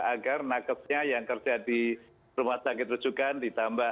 agar nakesnya yang kerja di rumah sakit rujukan ditambah